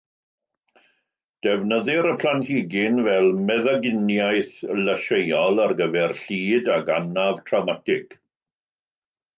Defnyddir y planhigyn fel meddyginiaeth lysieuol ar gyfer llid ac anaf trawmatig.